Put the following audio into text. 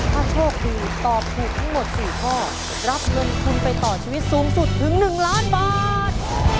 ถ้าโชคดีตอบถูกทั้งหมด๔ข้อรับเงินทุนไปต่อชีวิตสูงสุดถึง๑ล้านบาท